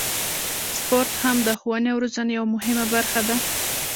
سپورت هم د ښوونې او روزنې یوه مهمه برخه ده.